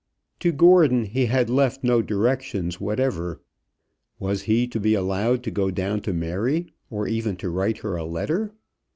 To Gordon he had left no directions whatever. Was he to be allowed to go down to Mary, or even to write her a letter?